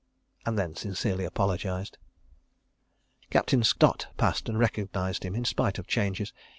(and then sincerely apologised.) Captain Stott passed and recognised him, in spite of changes.